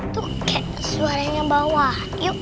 tukar suaranya bawah ayo